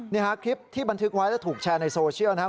นี่ฮะคลิปที่บันทึกไว้แล้วถูกแชร์ในโซเชียลนะครับ